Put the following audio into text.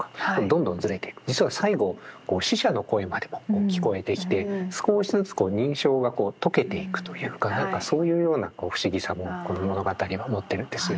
実は最後死者の声までも聞こえてきて少しずつ人称が解けていくというか何かそういうような不思議さもこの物語は持っているんですよね。